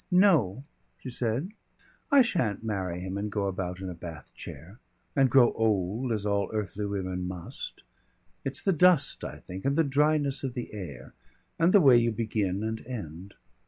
"No!" she said, "I sha'n't marry him and go about in a bath chair. And grow old as all earthly women must. (It's the dust, I think, and the dryness of the air, and the way you begin and end.)